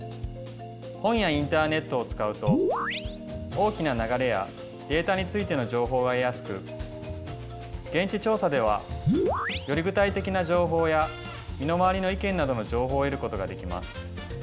本やインターネットを使うと大きな流れやデータについての情報が得やすく現地調査ではより具体的な情報や身の回りの意見などの情報を得ることができます。